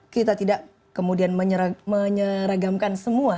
kita tidak kemudian menyeragamkan semua